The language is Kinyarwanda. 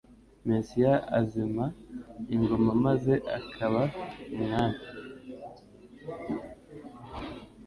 Mesiya azima ingoma maze akaba umwami.